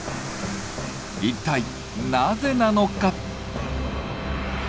一体なぜなのか？